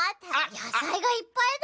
やさいがいっぱいだ。